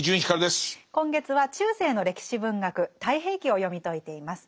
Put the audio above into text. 今月は中世の歴史文学「太平記」を読み解いています。